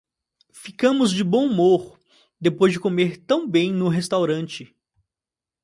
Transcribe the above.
Ficamos de bom humor depois de comer tão bem no restaurante!